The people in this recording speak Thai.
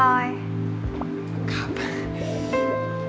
ไม่ต้องถามแล้ว